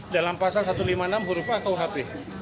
dalam pasal satu ratus lima puluh enam huruf a kuhp